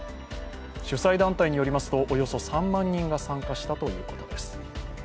主催団体によりますとおよそ３万人が参加したということです。